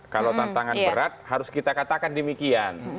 kalau tantangan berat harus kita katakan demikian